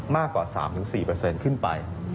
มากกว่า๓๔ขึ้นไป